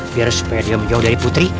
biar supaya dia menjauh dari putri